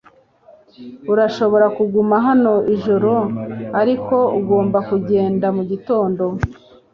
Urashobora kuguma hano ijoro, ariko ugomba kugenda mugitondo.